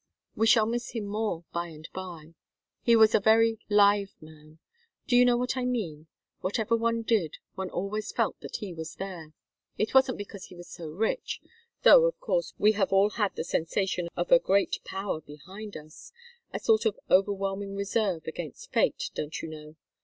"We shall miss him more, by and by. He was a very live man. Do you know what I mean? Whatever one did, one always felt that he was there. It wasn't because he was so rich though, of course, we all have had the sensation of a great power behind us a sort of overwhelming reserve against fate, don't you know?